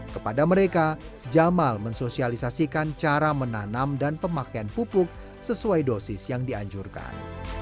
kepada mereka jamal mensosialisasikan cara menanam dan pemakaian pupuk sesuai dosis yang dianjurkan